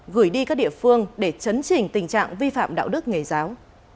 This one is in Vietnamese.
gửi đi các địa phương để chấn trình tình trạng vi phạm đạo đức nghề giáo